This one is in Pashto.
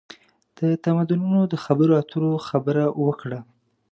د تمدنونو د خبرواترو خبره وکړو.